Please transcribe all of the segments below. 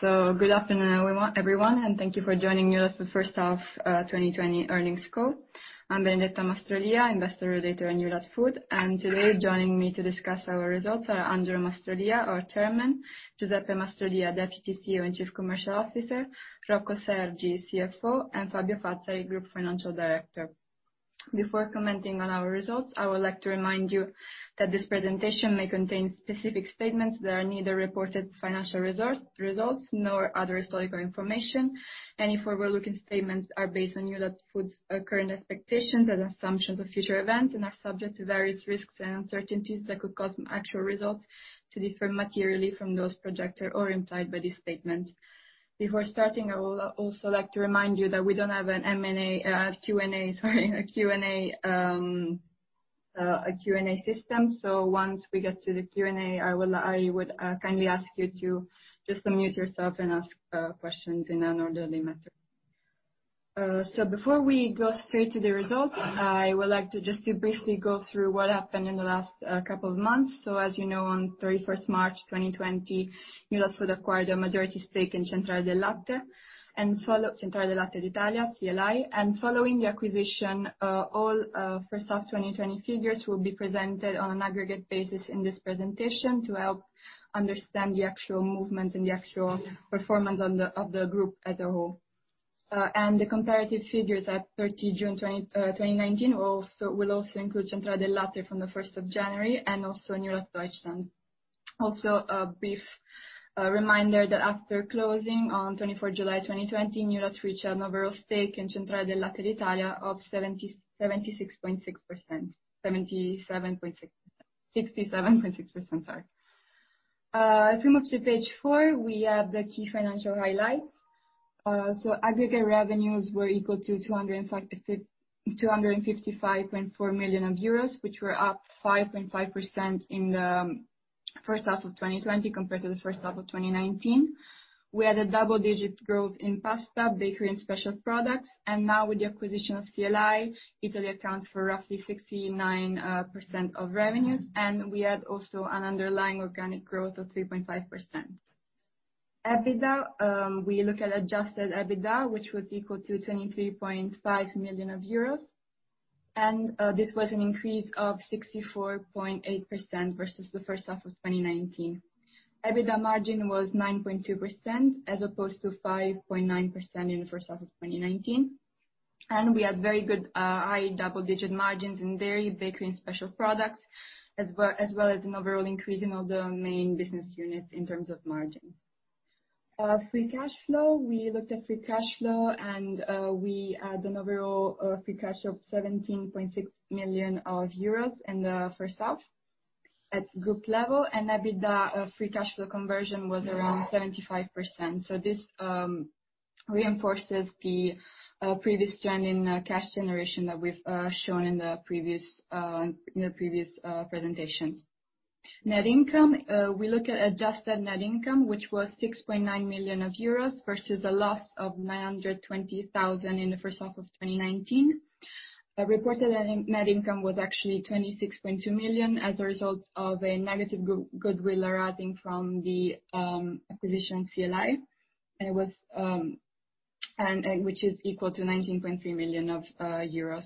Good afternoon, everyone, and thank you for joining Newlat Food First Half 2020 earnings call. I'm Benedetta Mastrolia, investor relator at Newlat Food, and today joining me to discuss our results are Angelo Mastrolia, our Chairman, Giuseppe Mastrolia, Deputy CEO and Chief Commercial Officer, Rocco Sergi, CFO, and Fabio Fazzari, Group Financial Director. Before commenting on our results, I would like to remind you that this presentation may contain specific statements that are neither reported financial results nor other historical information. Any forward-looking statements are based on Newlat Food's current expectations and assumptions of future events and are subject to various risks and uncertainties that could cause actual results to differ materially from those projected or implied by these statements. Before starting, I would also like to remind you that we don't have an M&A Q&A, sorry, a Q&A system, so once we get to the Q&A, I would kindly ask you to just unmute yourself and ask questions in an orderly manner. So before we go straight to the results, I would like to just briefly go through what happened in the last couple of months. So, as you know, on 31st March 2020, Newlat Food acquired a majority stake in Centrale del Latte d'Italia, CLI, and following the acquisition, all First Half 2020 figures will be presented on an aggregate basis in this presentation to help understand the actual movements and the actual performance of the group as a whole, and the comparative figures at 30 June 2019 will also include Centrale del Latte d'Italia from the 1st of January and also Newlat Deutschland. Also, a brief reminder that after closing on 24 July 2020, Newlat reached an overall stake in Centrale del Latte d'Italia of 76.6%, 77.6%, 67.6%, sorry. If we move to page four, we have the key financial highlights. Aggregate revenues were equal to 255.4 million euros, which were up 5.5% in the First Half of 2020 compared to the First Half of 2019. We had a double-digit growth in pasta, bakery, and special products, and now with the acquisition of CLI, Italy accounts for roughly 69% of revenues, and we had also an underlying organic growth of 3.5%. EBITDA, we look at adjusted EBITDA, which was equal to 23.5 million euros, and this was an increase of 64.8% versus the First Half of 2019. EBITDA margin was 9.2% as opposed to 5.9% in the First Half of 2019, and we had very good, high double-digit margins in dairy, bakery, and special products, as well as an overall increase in all the main business units in terms of margin. Free cash flow, we looked at free cash flow and we had an overall free cash of 17.6 million euros in the First Half at group level, and EBITDA free cash flow conversion was around 75%, so this reinforces the previous trend in cash generation that we've shown in the previous presentations. Net income, we look at adjusted net income, which was 6.9 million euros versus a loss of 920,000 in the First Half of 2019. Reported net income was actually 26.2 million as a result of a negative goodwill arising from the acquisition of CLI, which is equal to 19.3 million euros.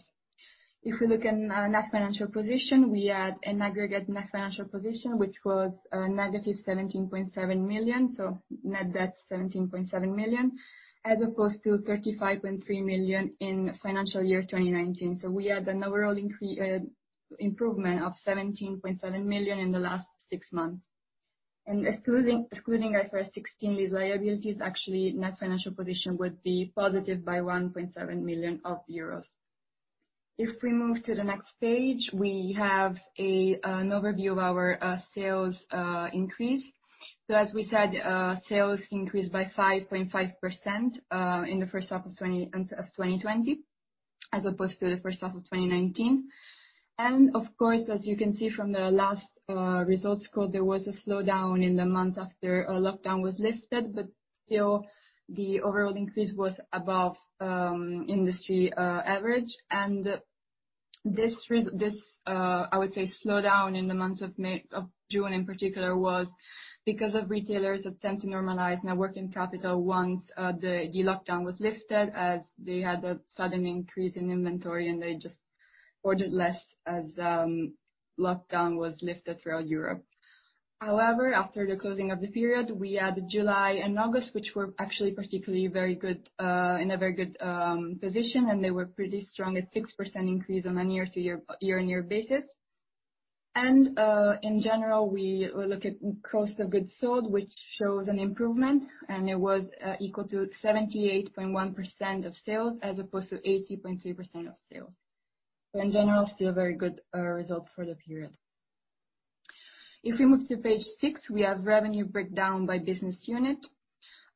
If we look at net financial position, we had an aggregate net financial position which was negative 17.7 million, so net debt 17.7 million, as opposed to 35.3 million in financial year 2019, so we had an overall improvement of 17.7 million in the last six months. And excluding IFRS 16 lease liabilities, actually net financial position would be positive by 1.7 million euros. If we move to the next page, we have an overview of our sales increase. So, as we said, sales increased by 5.5% in the First Half of 2020 as opposed to the First Half of 2019. Of course, as you can see from the last results call, there was a slowdown in the month after lockdown was lifted, but still the overall increase was above industry average, and this, I would say, slowdown in the month of June in particular was because of retailers' attempt to normalize net working capital once the lockdown was lifted, as they had a sudden increase in inventory and they just ordered less as lockdown was lifted throughout Europe. However, after the closing of the period, we had July and August, which were actually particularly very good, in a very good position, and they were pretty strong at 6% increase on a year-on-year basis. In general, we look at cost of goods sold, which shows an improvement, and it was equal to 78.1% of sales as opposed to 80.3% of sales. In general, still very good results for the period. If we move to page six, we have revenue breakdown by business unit.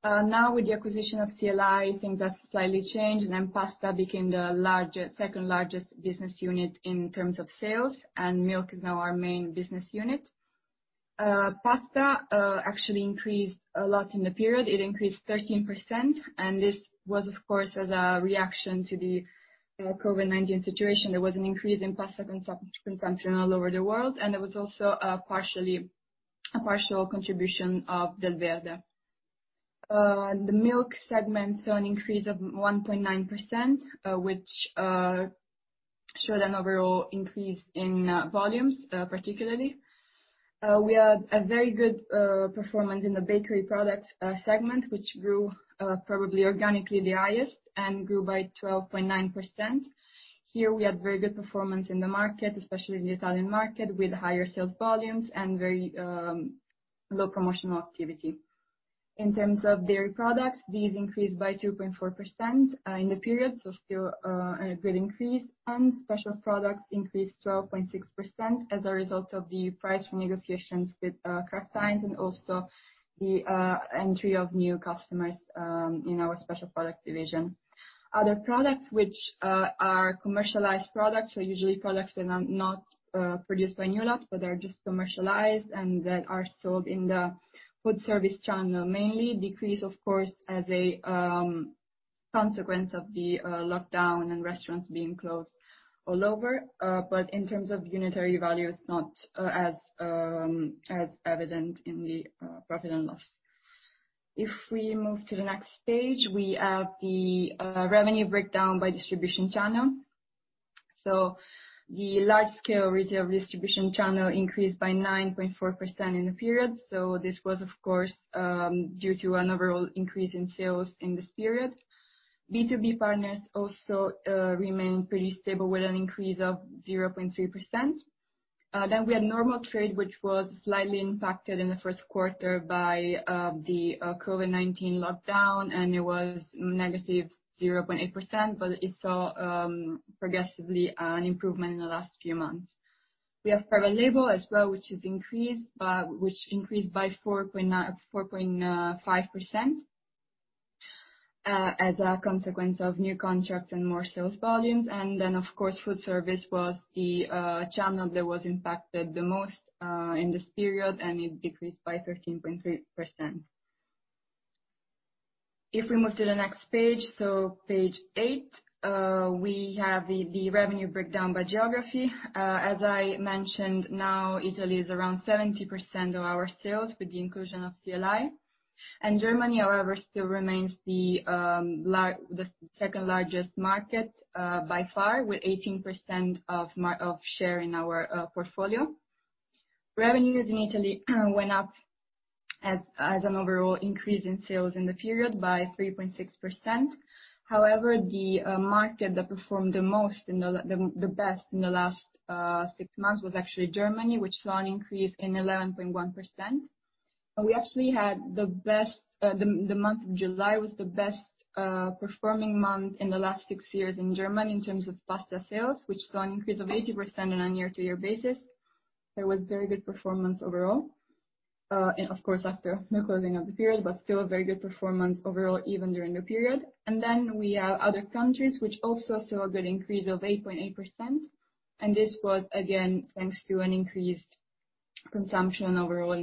Now, with the acquisition of CLI, things have slightly changed, and pasta became the second largest business unit in terms of sales, and milk is now our main business unit. Pasta actually increased a lot in the period. It increased 13%, and this was, of course, as a reaction to the COVID-19 situation. There was an increase in pasta consumption all over the world, and there was also a partial contribution of Delverde. The milk segment saw an increase of 1.9%, which showed an overall increase in volumes, particularly. We had a very good performance in the bakery product segment, which grew probably organically the highest and grew by 12.9%. Here, we had very good performance in the market, especially in the Italian market, with higher sales volumes and very low promotional activity. In terms of dairy products, these increased by 2.4% in the period, so still a good increase, and special products increased 12.6% as a result of the price renegotiations with Kraft Heinz and also the entry of new customers in our special product division. Other products, which are commercialized products, are usually products that are not produced by Newlat, but they're just commercialized and that are sold in the food service channel mainly, decreased, of course, as a consequence of the lockdown and restaurants being closed all over, but in terms of unitary value, it's not as evident in the profit and loss. If we move to the next page, we have the revenue breakdown by distribution channel. The large-scale retail distribution channel increased by 9.4% in the period, so this was, of course, due to an overall increase in sales in this period. B2B partners also remained pretty stable with an increase of 0.3%. Then we had normal trade, which was slightly impacted in the first quarter by the COVID-19 lockdown, and it was negative 0.8%, but it saw progressively an improvement in the last few months. We have private label as well, which increased by 4.5% as a consequence of new contracts and more sales volumes, and then, of course, food service was the channel that was impacted the most in this period, and it decreased by 13.3%. If we move to the next page, so page eight, we have the revenue breakdown by geography. As I mentioned, now Italy is around 70% of our sales with the inclusion of CLI, and Germany, however, still remains the second largest market by far, with 18% of share in our portfolio. Revenues in Italy went up as an overall increase in sales in the period by 3.6%. However, the market that performed the most and the best in the last six months was actually Germany, which saw an increase in 11.1%. We actually had the best. The month of July was the best performing month in the last six years in Germany in terms of pasta sales, which saw an increase of 80% on a year-on-year basis. There was very good performance overall, of course, after the closing of the period, but still a very good performance overall even during the period. Then we have other countries which also saw a good increase of 8.8%, and this was, again, thanks to an increased consumption overall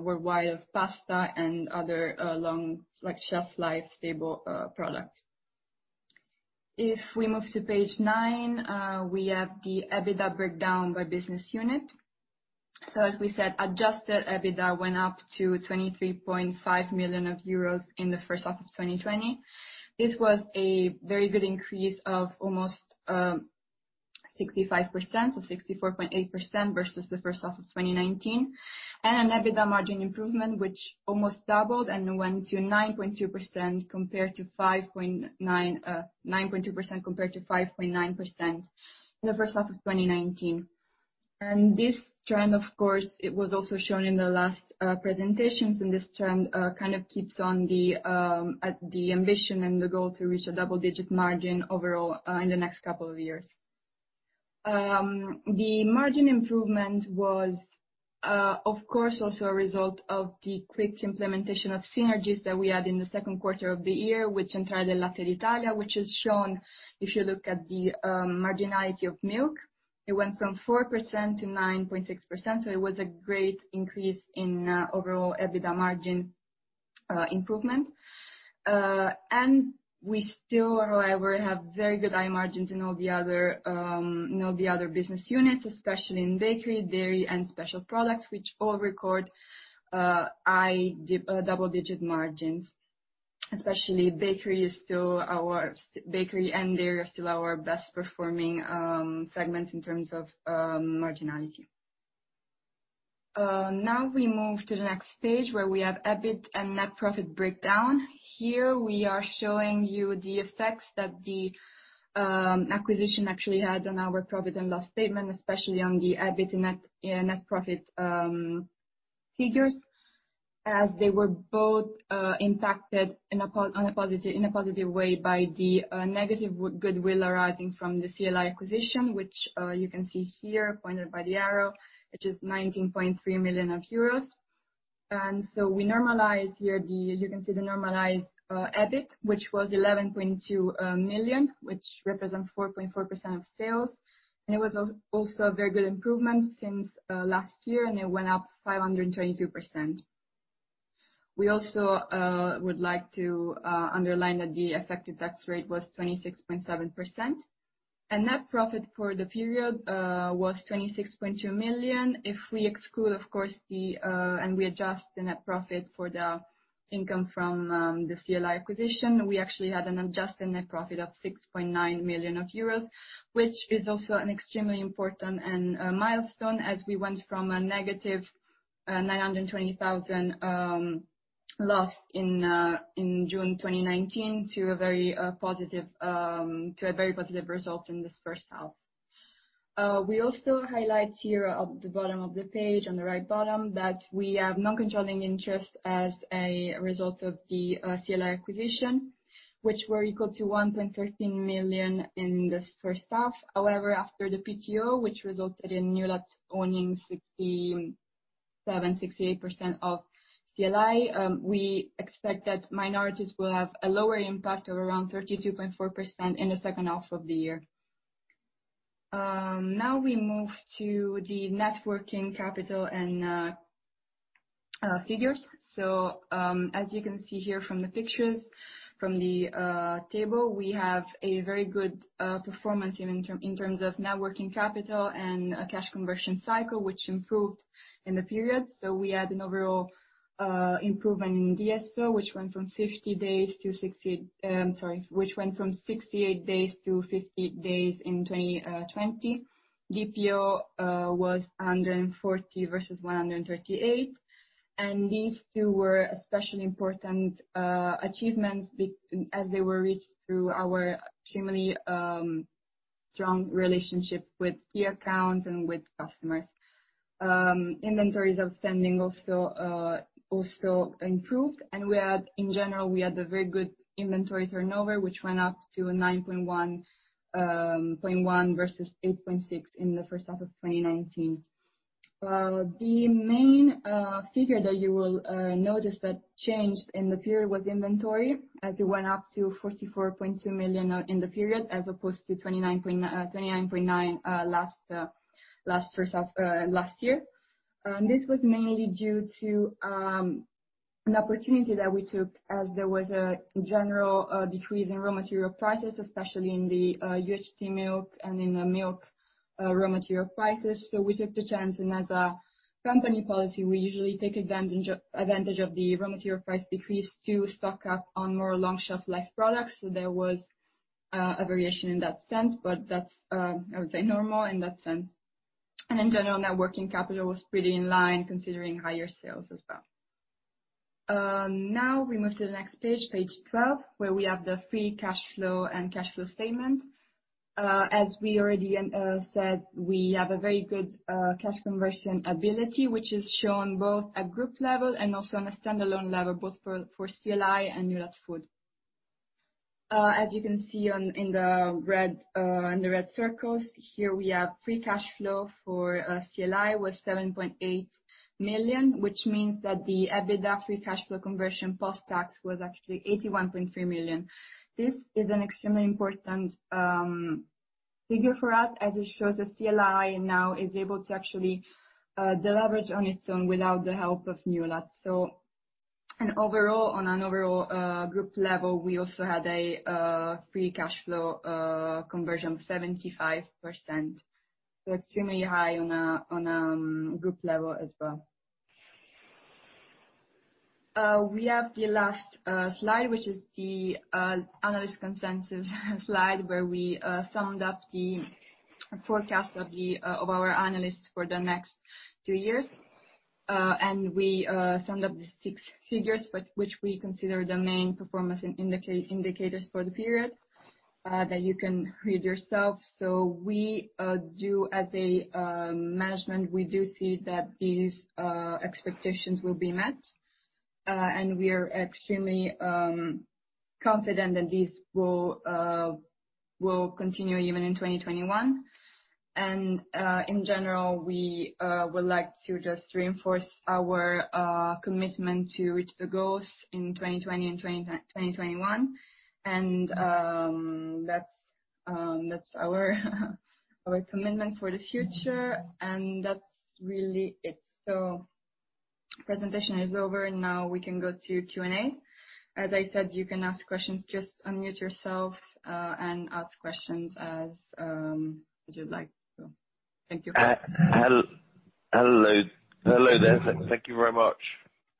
worldwide of pasta and other long-shelf-life, stable products. If we move to page nine, we have the EBITDA breakdown by business unit. As we said, adjusted EBITDA went up to 23.5 million euros in the First Half of 2020. This was a very good increase of almost 65%, so 64.8% versus the First Half of 2019, and an EBITDA margin improvement which almost doubled and went to 9.2% compared to 5.9% compared to 5.9% in the First Half of 2019. This trend, of course, was also shown in the last presentations, and this trend kind of keeps on the ambition and the goal to reach a double-digit margin overall in the next couple of years. The margin improvement was, of course, also a result of the quick implementation of synergies that we had in the second quarter of the year with Centrale del Latte d'Italia, which has shown, if you look at the marginality of milk, it went from 4% to 9.6%, so it was a great increase in overall EBITDA margin improvement, and we still, however, have very good high margins in all the other business units, especially in bakery, dairy, and special products, which all record double-digit margins. Especially bakery is still our bakery and dairy are still our best-performing segments in terms of marginality. Now we move to the next page where we have EBIT and net profit breakdown. Here we are showing you the effects that the acquisition actually had on our profit and loss statement, especially on the EBIT and net profit figures, as they were both impacted in a positive way by the negative goodwill arising from the CLI acquisition, which you can see here, pointed by the arrow, which is 19.3 million euros. so we normalize here. Then you can see the normalized EBIT, which was 11.2 million EUR, which represents 4.4% of sales, and it was also a very good improvement since last year, and it went up 522%. We also would like to underline that the effective tax rate was 26.7%, and net profit for the period was 26.2 million EUR. If we exclude, of course, we adjust the net profit for the income from the CLI acquisition, we actually had an adjusted net profit of 6.9 million euros, which is also an extremely important milestone as we went from a negative 920,000 loss in June 2019 to a very positive to a very positive result in this first half. We also highlight here at the bottom of the page, on the right bottom, that we have non-controlling interest as a result of the CLI acquisition, which were equal to 1.13 million EUR in this first half. However, after the PTO, which resulted in Newlat owning 67%-68% of CLI, we expect that minorities will have a lower impact of around 32.4% in the second half of the year. Now we move to the net working capital and figures. As you can see here from the pictures from the table, we have a very good performance in terms of net working capital and cash conversion cycle, which improved in the period. We had an overall improvement in DSO, which went from 50 days to 68, sorry, which went from 68 days to 50 days in 2020. DPO was 140 versus 138, and these two were especially important achievements as they were reached through our extremely strong relationship with key accounts and with customers. Inventory days outstanding also improved, and in general we had a very good inventory turnover, which went up to 9.1 versus 8.6 in the first half of 2019. The main figure that you will notice that changed in the period was inventory, as it went up to 44.2 million in the period as opposed to 29.9 million last year. This was mainly due to an opportunity that we took as there was a general decrease in raw material prices, especially in the UHT milk and in the milk raw material prices. So we took the chance, and as a company policy, we usually take advantage of the raw material price decrease to stock up on more long-shelf-life products, so there was a variation in that sense, but that's, I would say, normal in that sense. And, in general, net working capital was pretty in line considering higher sales as well. Now we move to the next page, page 12, where we have the free cash flow and cash flow statement. As we already said, we have a very good cash conversion ability, which is shown both at group level and also on a standalone level, both for CLI and Newlat Food. As you can see in the red circles, here we have free cash flow for CLI was 7.8 million, which means that the EBITDA free cash flow conversion post-tax was actually 81.3 million. This is an extremely important figure for us as it shows that CLI now is able to actually deliver on its own without the help of NewLast. And overall, on an overall group level, we also had a free cash flow conversion of 75%, so extremely high on a group level as well. We have the last slide, which is the analyst consensus slide, where we summed up the forecast of our analysts for the next two years, and we summed up the six figures, which we consider the main performance indicators for the period that you can read yourself. So we do, as a management, we do see that these expectations will be met, and we are extremely confident that these will continue even in 2021. And, in general, we would like to just reinforce our commitment to reach the goals in 2020 and 2021, and that's our commitment for the future, and that's really it. So the presentation is over, and now we can go to Q&A. As I said, you can ask questions, just unmute yourself and ask questions as you'd like. Thank you. Hello. Hello, there. Thank you very much.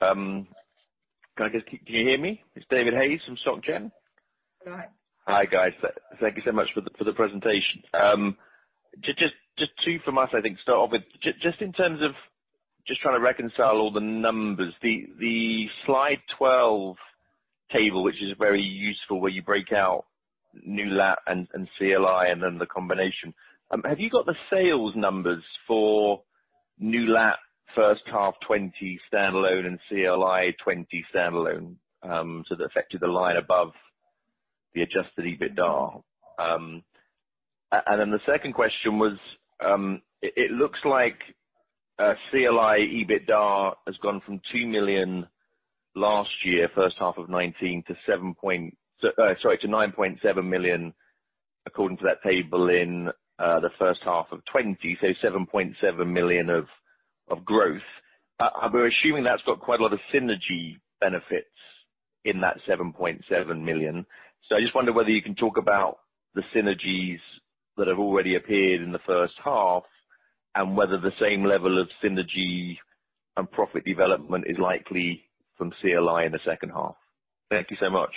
Can you hear me? It's David Hayes from SocGen. Hi. Hi, guys. Thank you so much for the presentation. Just two from us, I think, to start off with. Just in terms of just trying to reconcile all the numbers, the slide 12 table, which is very useful where you break out NewLast and CLI and then the combination. Have you got the sales numbers for NewLast first half 2020 standalone and CLI 2020 standalone? So the effective line above the Adjusted EBITDA. And then the second question was, it looks like CLI EBITDA has gone from 2 million last year, first half of 2019, to 9.7 million—sorry, to 9.7 million according to that table in the first half of 2020, so 7.7 million of growth. We're assuming that's got quite a lot of synergy benefits in that 7.7 million. I just wonder whether you can talk about the synergies that have already appeared in the first half and whether the same level of synergy and profit development is likely from CLI in the second half? Thank you so much.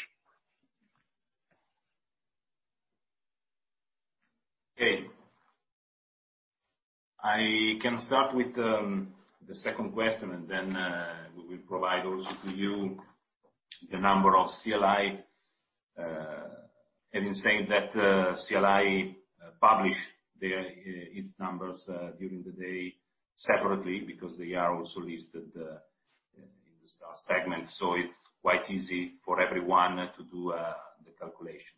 Okay. I can start with the second question, and then we will provide also to you the number of CLI. Having said that, CLI published its numbers during the day separately because they are also listed in the STAR segment, so it's quite easy for everyone to do the calculation.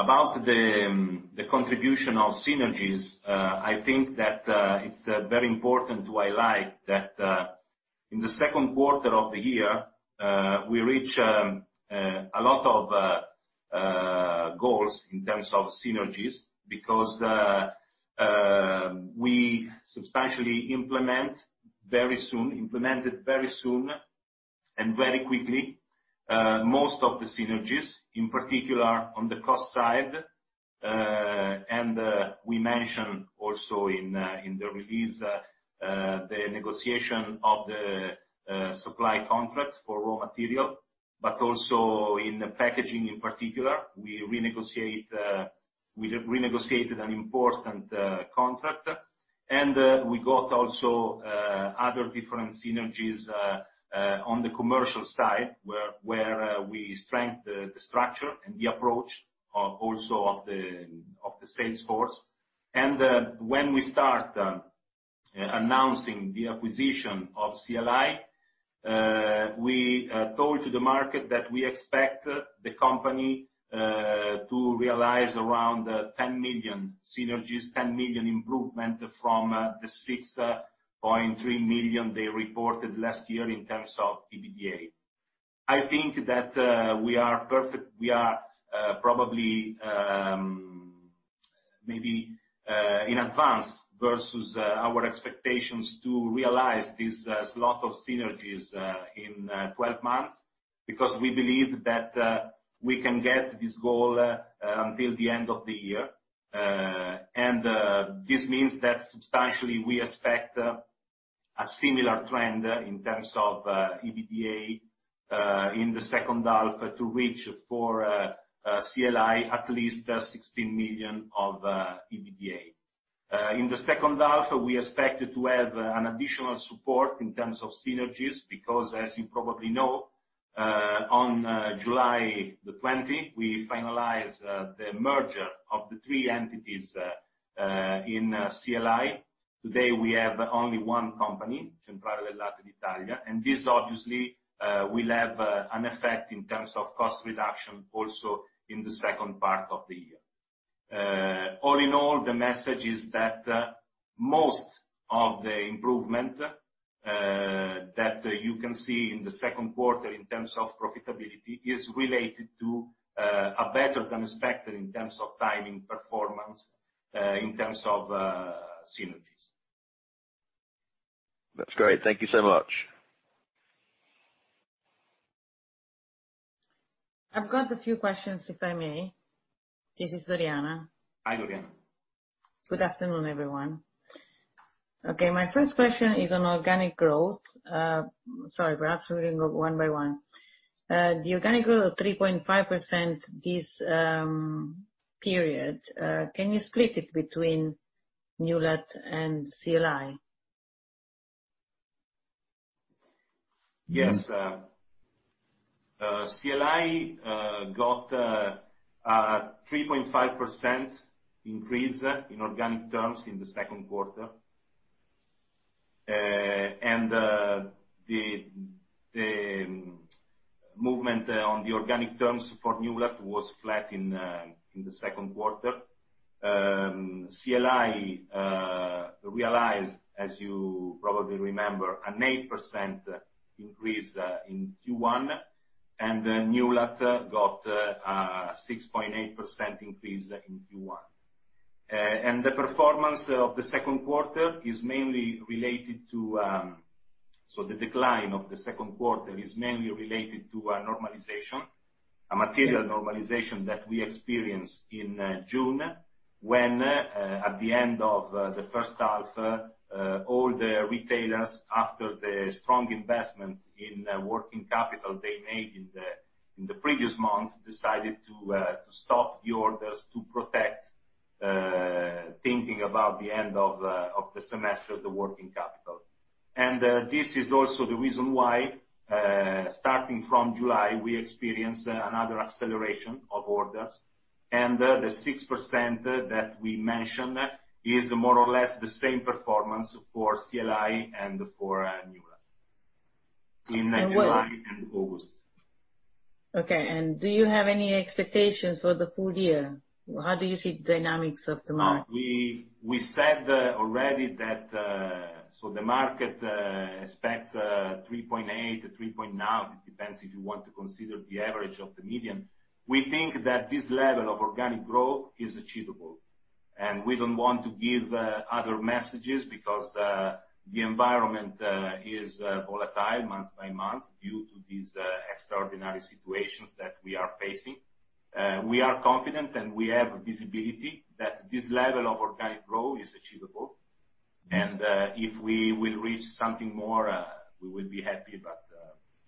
About the contribution of synergies, I think that it's very important to highlight that in the second quarter of the year, we reached a lot of goals in terms of synergies because we substantially implemented very soon and very quickly most of the synergies, in particular on the cost side. We mentioned also in the release the negotiation of the supply contract for raw material, but also in packaging in particular, we renegotiated an important contract. We got also other different synergies on the commercial side where we strengthened the structure and the approach also of the sales force. When we start announcing the acquisition of CLI, we told to the market that we expect the company to realize around 10 million synergies, 10 million improvement from the 6.3 million they reported last year in terms of EBITDA. I think that we are perfect, we are probably maybe in advance versus our expectations to realize this lot of synergies in 12 months because we believe that we can get this goal until the end of the year. This means that substantially we expect a similar trend in terms of EBITDA in the second half to reach for CLI at least 16 million of EBITDA. In the second half, we expect to have an additional support in terms of synergies because, as you probably know, on July the 20th, we finalized the merger of the three entities in CLI. Today, we have only one company, Centrale del Latte d'Italia, and this obviously will have an effect in terms of cost reduction also in the second part of the year. All in all, the message is that most of the improvement that you can see in the second quarter in terms of profitability is related to a better than expected in terms of timing performance in terms of synergies. That's great. Thank you so much. I've got a few questions if I may. This is Doriana. Hi, Doriana. Good afternoon, everyone. Okay, my first question is on organic growth. Sorry, perhaps we can go one by one. The organic growth of 3.5% this period, can you split it between NewLast and CLI? Yes. CLI got a 3.5% increase in organic terms in the second quarter, and the movement on the organic terms for Newlat was flat in the second quarter. CLI realized, as you probably remember, an 8% increase in Q1, and Newlat got a 6.8% increase in Q1. The performance of the second quarter is mainly related to, so the decline of the second quarter is mainly related to a normalization, a material normalization that we experienced in June when, at the end of the first half, all the retailers, after the strong investment in working capital they made in the previous month, decided to stop the orders to protect thinking about the end of the semester, the working capital. This is also the reason why, starting from July, we experienced another acceleration of orders, and the 6% that we mentioned is more or less the same performance for CLI and for NewLast in July and August. Okay, and do you have any expectations for the full year? How do you see the dynamics of the market? We said already that, so the market expects 3.8%-3.9%. It depends if you want to consider the average of the median. We think that this level of organic growth is achievable, and we don't want to give other messages because the environment is volatile month by month due to these extraordinary situations that we are facing. We are confident, and we have visibility that this level of organic growth is achievable and if we will reach something more, we will be happy, but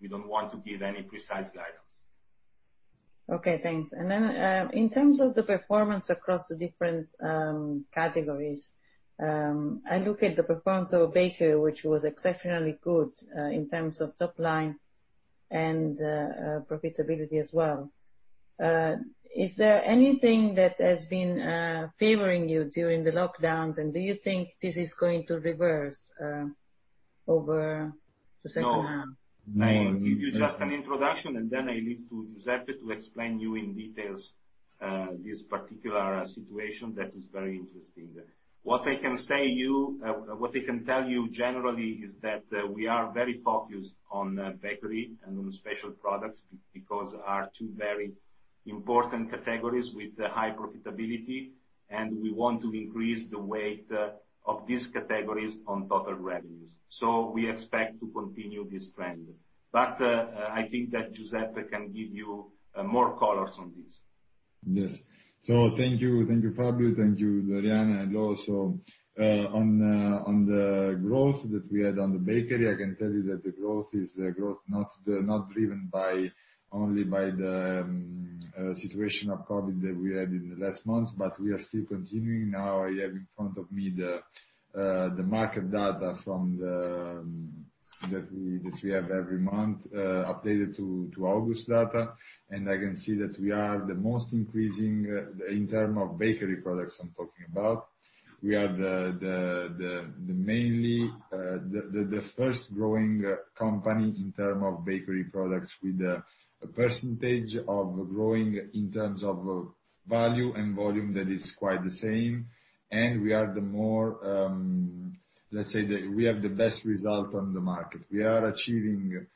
we don't want to give any precise guidance. Okay. Thanks. And then in terms of the performance across the different categories, I look at the performance of Birkel, which was exceptionally good in terms of top line and profitability as well. Is there anything that has been favoring you during the lockdowns, and do you think this is going to reverse over the second half? No. I'll give you just an introduction, and then I'll leave to Giuseppe to explain to you in details this particular situation that is very interesting. What I can say to you, what I can tell you generally is that we are very focused on bakery and on special products because they are two very important categories with high profitability, and we want to increase the weight of these categories on total revenues. So we expect to continue this trend. But I think that Giuseppe can give you more colors on this. Yes. So thank you, thank you, Fabio, thank you, Doriana, and also on the growth that we had on the bakery, I can tell you that the growth is not driven only by the situation of COVID that we had in the last months, but we are still continuing. Now I have in front of me the market data that we have every month updated to August data, and I can see that we are the most increasing in terms of bakery products I'm talking about. We are mainly the first growing company in terms of bakery products with a percentage of growing in terms of value and volume that is quite the same, and we are the more, let's say that we have the best result on the market. We are achieving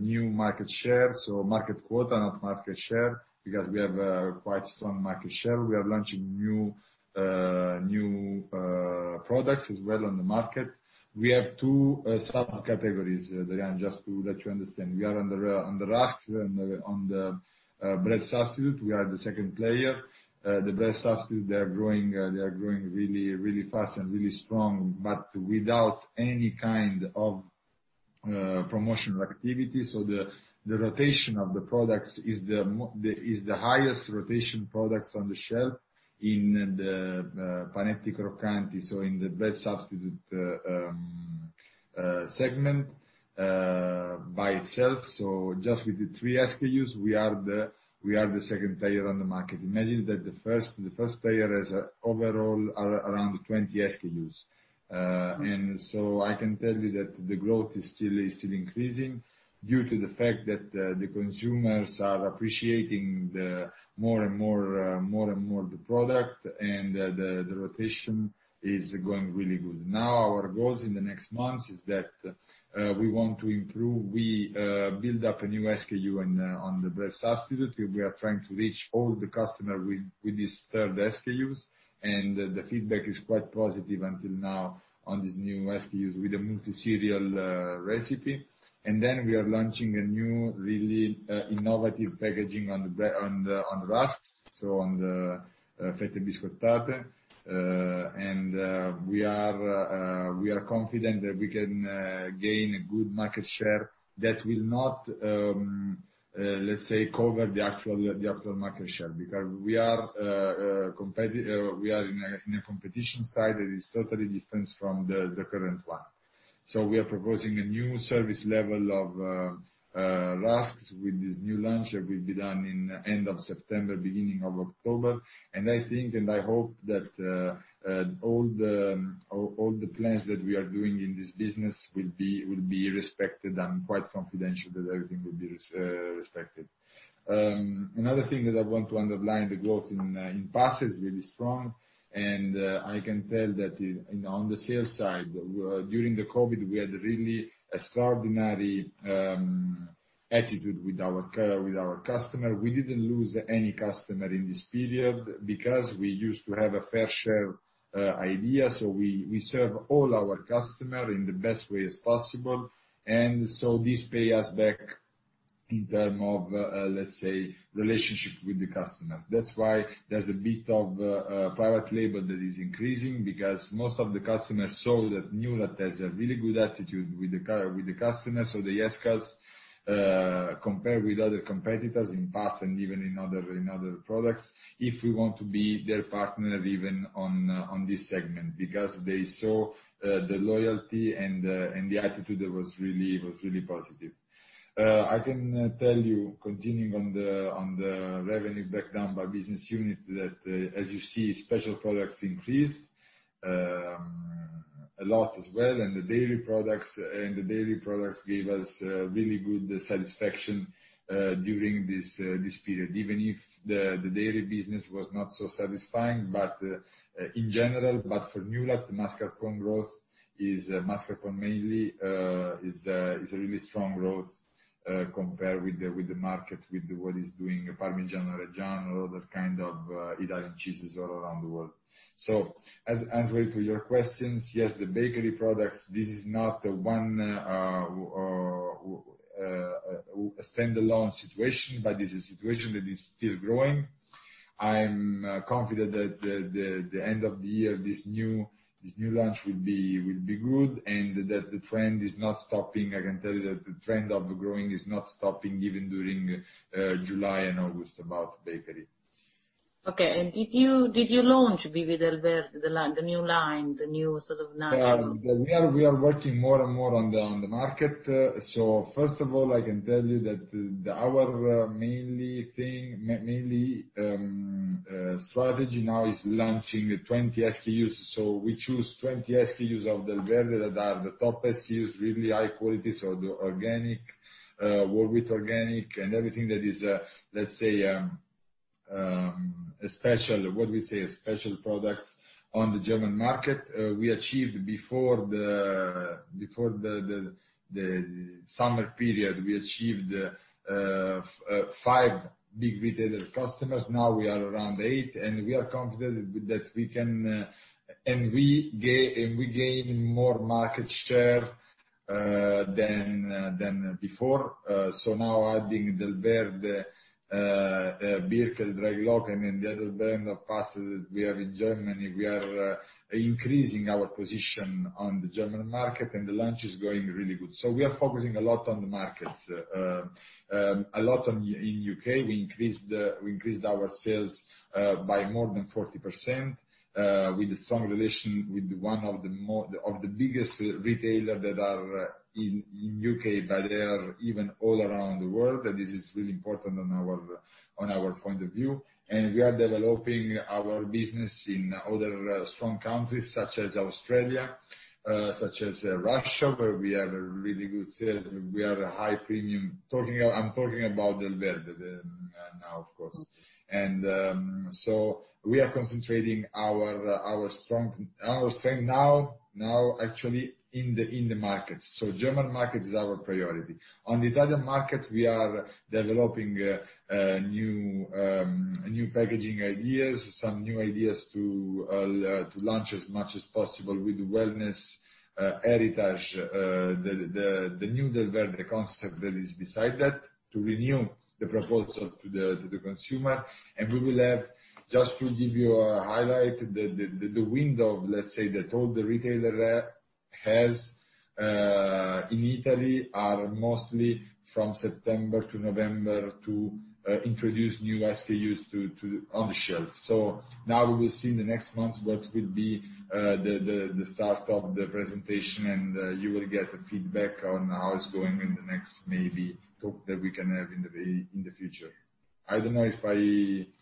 new market share, so market quota, not market share, because we have quite strong market share. We are launching new products as well on the market. We have two subcategories, Doriana, just to let you understand. We are under rusk, under bread substitute. We are the second player. The bread substitute, they are growing really fast and really strong, but without any kind of promotional activity, so the rotation of the products is the highest rotation products on the shelf in the Panetti Croccanti, so in the bread substitute segment by itself, so just with the three SKUs, we are the second player on the market. Imagine that the first player has overall around 20 SKUs, and so I can tell you that the growth is still increasing due to the fact that the consumers are appreciating more and more the product, and the rotation is going really good. Now our goals in the next months is that we want to improve. We built up a new SKU on the bread substitute. We are trying to reach all the customers with these third SKUs, and the feedback is quite positive until now on these new SKUs with the multiserial recipe. And then we are launching a new, really innovative packaging on RASC, so on the fette biscottate. And we are confident that we can gain a good market share that will not, let's say, cover the actual market share because we are in a competition side that is totally different from the current one. So we are proposing a new service level of RASC with this new launch that will be done in the end of September, beginning of October. And I think, and I hope that all the plans that we are doing in this business will be respected. I'm quite confident that everything will be respected. Another thing that I want to underline, the growth in pasta is really strong, and I can tell that on the sales side, during the COVID, we had really an extraordinary attitude with our customers. We didn't lose any customers in this period because we used to have a fair share idea, so we serve all our customers in the best way as possible, and so this pays us back in terms of, let's say, relationship with the customers. That's why there's a bit of private label that is increasing because most of the customers saw that NewLast has a really good attitude with the customers. So they asked us, compared with other competitors in the past and even in other products, if we want to be their partner even on this segment because they saw the loyalty and the attitude that was really positive. I can tell you, continuing on the revenue breakdown by business unit, that as you see, special products increased a lot as well, and the dairy products gave us really good satisfaction during this period, even if the dairy business was not so satisfying, but in general, for NewLast, the mascarpone growth mainly is a really strong growth compared with the market with what is doing Parmigiano-Reggiano or other kinds of Italian cheeses all around the world, so as for your questions, yes, the bakery products, this is not one standalone situation, but it's a situation that is still growing. I'm confident that the end of the year, this new launch will be good and that the trend is not stopping. I can tell you that the trend of growing is not stopping even during July and August about bakery. Okay. And did you launch Delverde, the new line, the new sort of natural? Yeah. We are working more and more on the market, so first of all, I can tell you that our mainly thing, mainly strategy now is launching 20 SKUs, so we choose 20 SKUs of the Delverd that are the top SKUs, really high quality, so organic, whole wheat organic, and everything that is, let's say, a special, what we say, a special product on the German market. We achieved before the summer period, we achieved five big retailer customers. Now we are around eight, and we are confident that we can and we gain more market share than before, so now adding the Delverde, Birkel, 3 Glocken, and then the other brand of pasta that we have in Germany, we are increasing our position on the German market, and the launch is going really good, so we are focusing a lot on the markets, a lot in the UK. We increased our sales by more than 40% with a strong relation with one of the biggest retailers that are in the U.K., but they are even all around the world. This is really important on our point of view, and we are developing our business in other strong countries such as Australia, such as Russia, where we have a really good sales. We are a high premium. I'm talking about Alberta now, of course, and so we are concentrating our strength now, actually, in the markets, so the German market is our priority. On the Italian market, we are developing new packaging ideas, some new ideas to launch as much as possible with the wellness heritage, the new Alberta concept that is beside that to renew the proposal to the consumer. We will have, just to give you a highlight, the window, let's say, that all the retailers have in Italy are mostly from September to November to introduce new SKUs on the shelf. So now we will see in the next months what will be the start of the presentation, and you will get feedback on how it's going in the next maybe talk that we can have in the future. I don't know if I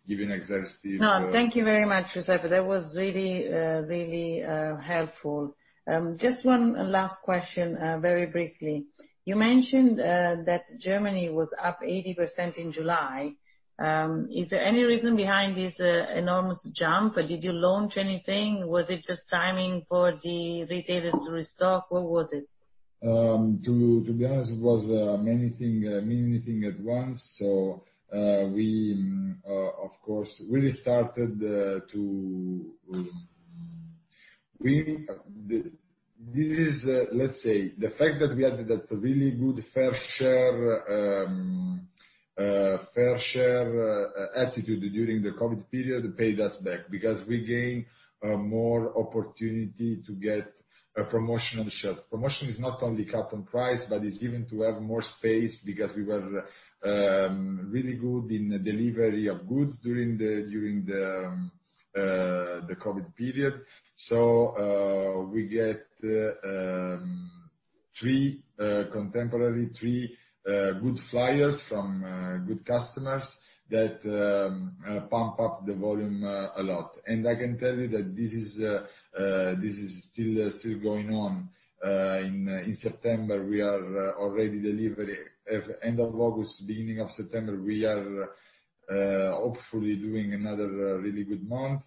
give you an exhaustive. No, thank you very much, Giuseppe. That was really, really helpful. Just one last question, very briefly. You mentioned that Germany was up 80% in July. Is there any reason behind this enormous jump? Did you launch anything? Was it just timing for the retailers to restock? What was it? To be honest, it was many things at once, so we, of course, really started to, let's say, the fact that we had that really good fair share attitude during the COVID period paid us back because we gained more opportunity to get a promotion on the shelf. Promotion is not only cut on price, but it's given to have more space because we were really good in delivery of goods during the COVID period, so we got three good flyers from good customers that pump up the volume a lot, and I can tell you that this is still going on. In September, we are already delivering at the end of August, beginning of September. We are hopefully doing another really good month,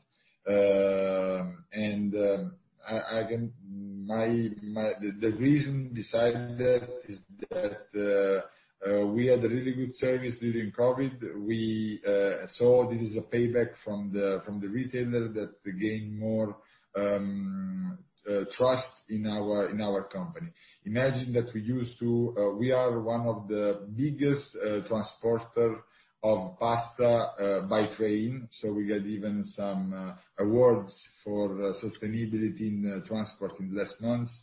and the reason besides that is that we had a really good service during COVID. We saw this is a payback from the retailer that gained more trust in our company. Imagine that we used to—we are one of the biggest transporters of pasta by train. So we got even some awards for sustainability in transport in the last months.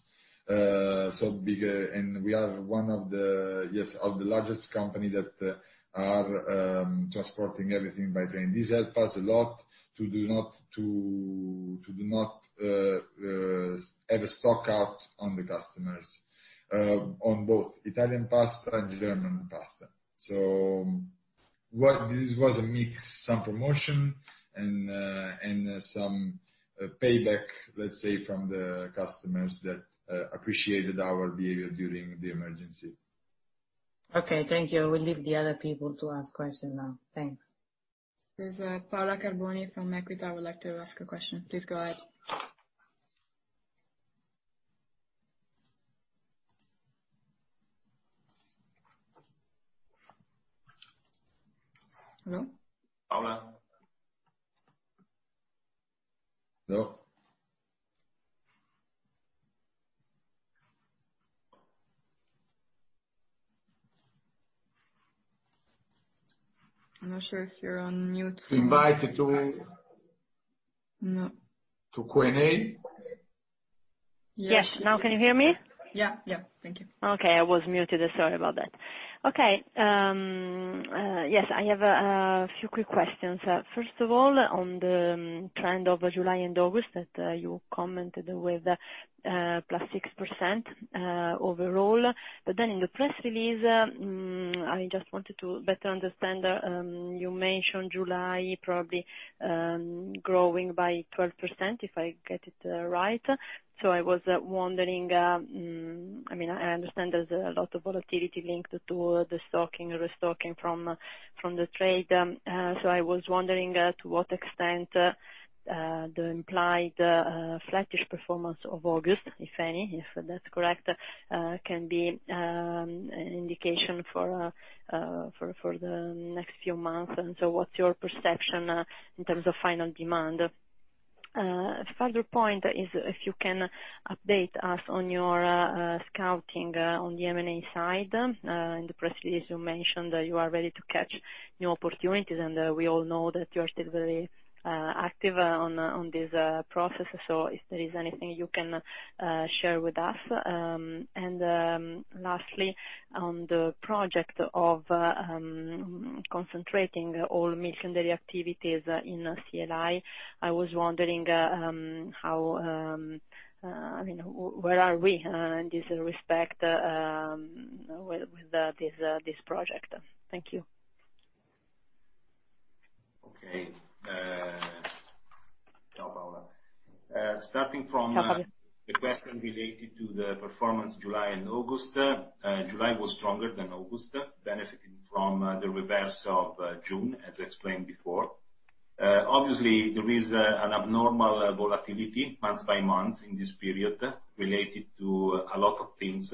And we are one of the, yes, of the largest companies that are transporting everything by train. This helped us a lot to not have a stock out on the customers on both Italian pasta and German pasta. So this was a mix, some promotion and some payback, let's say, from the customers that appreciated our behavior during the emergency. Okay. Thank you. I will leave the other people to ask questions now. Thanks. This is Paola Carboni from Equita. I would like to ask a question. Please go ahead. Hello? Paola. Hello? I'm not sure if you're on mute. Invited to? No. To Q&A? Yes. Now can you hear me? Yeah. Yeah. Thank you. Okay. I was muted. Sorry about that. Okay. Yes, I have a few quick questions. First of all, on the trend of July and August that you commented with +6% overall. But then in the press release, I just wanted to better understand. You mentioned July probably growing by 12%, if I get it right. So I was wondering, I mean, I understand there's a lot of volatility linked to the stocking or restocking from the trade. So I was wondering to what extent the implied flattish performance of August, if any, if that's correct, can be an indication for the next few months. And so what's your perception in terms of final demand? Further point is if you can update us on your scouting on the M&A side. In the press release, you mentioned you are ready to catch new opportunities, and we all know that you are still very active on this process, so if there is anything you can share with us and lastly, on the project of concentrating all milk and dairy activities in CLI, I was wondering how, I mean, where are we in this respect with this project? Thank you. Okay. Carboni, Paola. Starting from the question related to the performance July and August, July was stronger than August, benefiting from the reverse of June, as explained before. Obviously, there is an abnormal volatility month by month in this period related to a lot of things,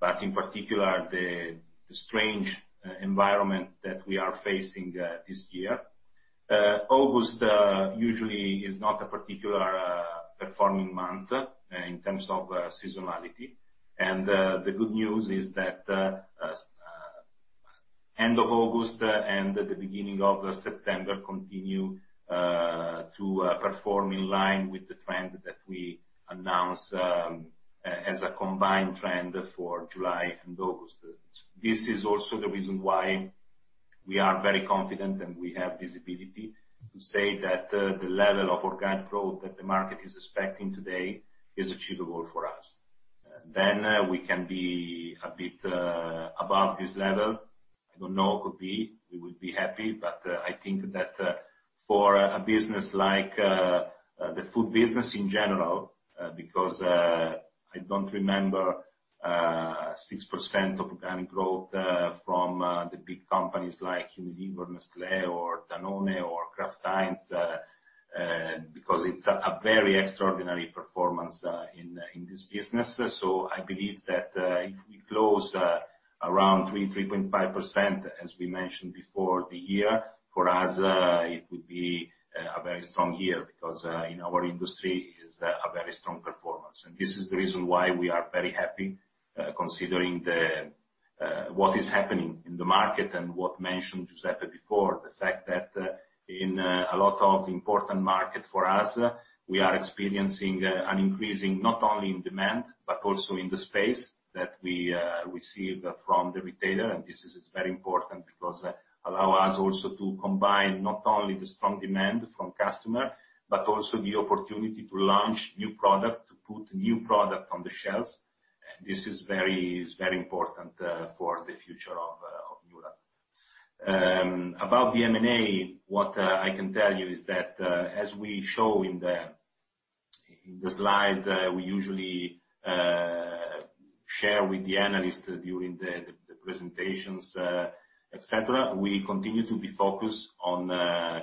but in particular, the strange environment that we are facing this year. August usually is not a particular performing month in terms of seasonality, and the good news is that end of August and the beginning of September continue to perform in line with the trend that we announced as a combined trend for July and August. This is also the reason why we are very confident and we have visibility to say that the level of organic growth that the market is expecting today is achievable for us, then we can be a bit above this level. I don't know, it could be. We would be happy. But I think that for a business like the food business in general, because I don't remember 6% of organic growth from the big companies like Unilever, Nestlé, or Danone, or Kraft Heinz, because it's a very extraordinary performance in this business. So I believe that if we close around 3-3.5%, as we mentioned before the year, for us, it would be a very strong year because in our industry is a very strong performance. And this is the reason why we are very happy considering what is happening in the market and what mentioned Giuseppe before, the fact that in a lot of important markets for us, we are experiencing an increasing not only in demand, but also in the space that we receive from the retailer. This is very important because it allows us also to combine not only the strong demand from customers, but also the opportunity to launch new products, to put new products on the shelves. This is very important for the future of Newlat. About the M&A, what I can tell you is that as we show in the slide, we usually share with the analysts during the presentations, etc. We continue to be focused on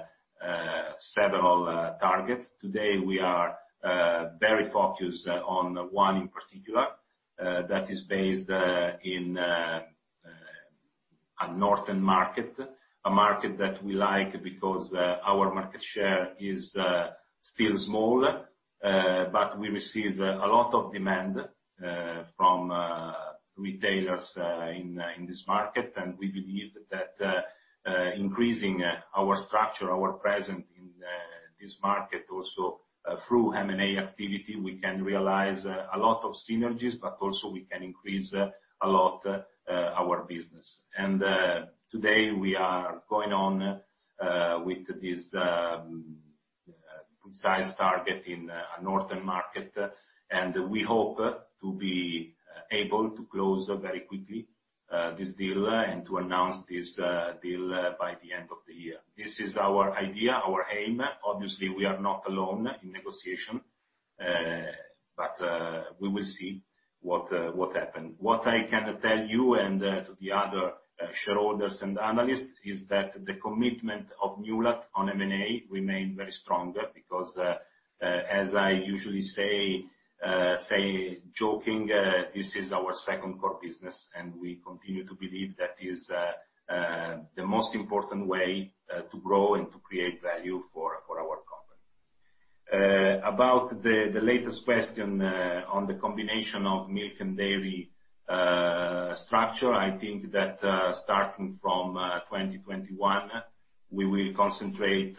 several targets. Today, we are very focused on one in particular that is based in a northern market, a market that we like because our market share is still small, but we receive a lot of demand from retailers in this market. We believe that increasing our structure, our presence in this market also through M&A activity, we can realize a lot of synergies, but also we can increase a lot our business. Today, we are going on with this precise target in a northern market, and we hope to be able to close very quickly this deal and to announce this deal by the end of the year. This is our idea, our aim. Obviously, we are not alone in negotiation, but we will see what happens. What I can tell you and to the other shareholders and analysts is that the commitment of NewLast on M&A remains very strong because, as I usually say, joking, this is our second core business, and we continue to believe that is the most important way to grow and to create value for our company. About the latest question on the combination of milk and dairy structure, I think that starting from 2021, we will concentrate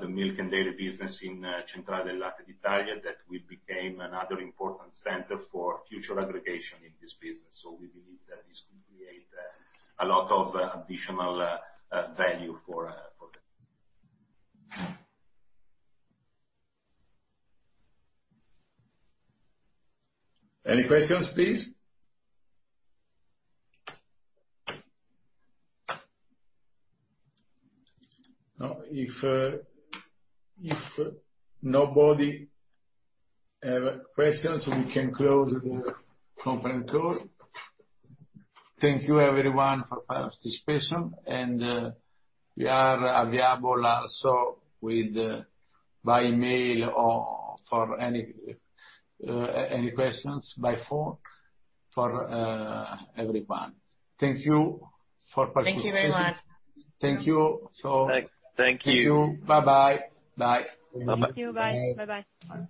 the milk and dairy business in Centrale del Latte d'Italia that will become another important center for future aggregation in this business. So we believe that this will create a lot of additional value for the. Any questions, please? No? If nobody has questions, we can close the conference call. Thank you, everyone, for participation. And we are available also by email for any questions by phone for everyone. Thank you for participating. Thank you very much. Thank you. So. Thank you. Thank you. Bye-bye. Bye. Thank you. Bye. Bye-bye.